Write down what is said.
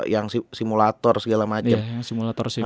yang simulator segala macem